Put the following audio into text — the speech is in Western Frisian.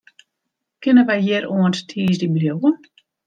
Kinne wy hjir oant tiisdei bliuwe?